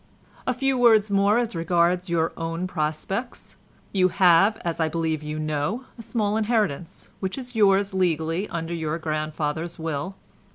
"A few words more as regards your own prospects. You have, as I believe you know, a small inheritance, which is yours legally under your grandfather's will.